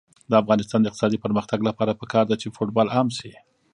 د افغانستان د اقتصادي پرمختګ لپاره پکار ده چې فوټبال عام شي.